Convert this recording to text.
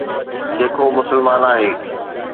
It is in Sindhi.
جيڪو مسلمان آهي.